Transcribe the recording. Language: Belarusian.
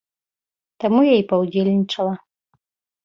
Таму я і паўдзельнічала.